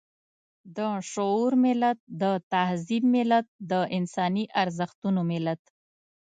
د شعور ملت، د تهذيب ملت، د انساني ارزښتونو ملت.